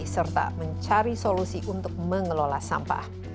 serta mencari solusi untuk mengelola sampah